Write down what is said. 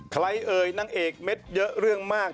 เอ่ยนางเอกเม็ดเยอะเรื่องมาก